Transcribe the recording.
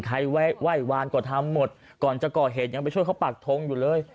ใครไหว้วานก็ทำหมดก่อนจะก่อเหตุยังไปช่วยเขาปากทงอยู่เลย